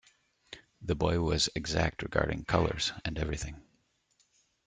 The boy was exact regarding colours, and everything.